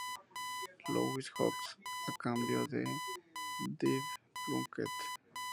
Louis Hawks a cambio de Dave Plunkett.